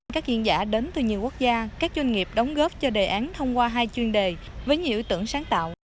các diễn giả đến từ nhiều quốc gia các doanh nghiệp đóng góp cho đề án thông qua hai chuyên đề với nhiều ưu tưởng sáng tạo